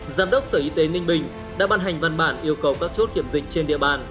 giám đốc sở y tế ninh bình đã ban hành văn bản yêu cầu các chốt kiểm dịch trên địa bàn